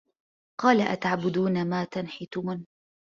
قالَ أَتَعبُدونَ ما تَنحِتونَ